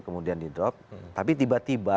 kemudian di drop tapi tiba tiba